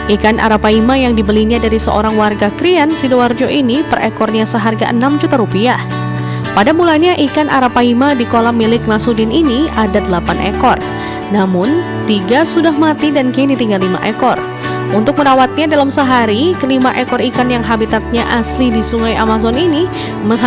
ikan peliharaannya ini akan diserahkan oleh pemerintah